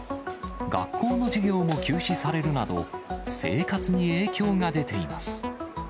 学校の授業も休止されるなど、生活に影響が出ています。